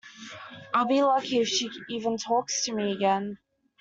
I'll be lucky if she even talks to me again.